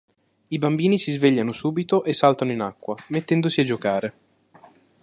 I bambini si svegliano subito e saltano in acqua, mettendosi a giocare.